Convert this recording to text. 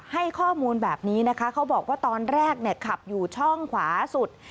ให้ข้อมูลแบบนี้นะคะเขาบอกว่าตอนแรกขับอยู่ช่องขวาสุด